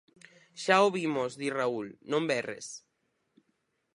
_Xa o vimos _di Raúl_, non berres.